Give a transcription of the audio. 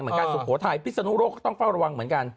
เหมือนกันสุโขทัยพิศนุโรคต้องเฝ้าระวังเหมือนกัน